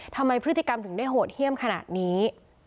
ทำไมพฤติกรรมถึงได้โหดเยี่ยมขนาดนี้